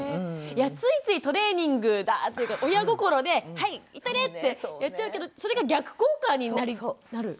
いやついついトレーニングだっていうか親心で「はい行っといで」ってやっちゃうけどそれが逆効果になる？